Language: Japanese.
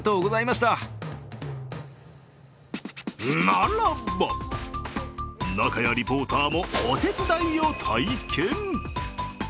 ならば、仲谷リポーターもお手伝いを体験。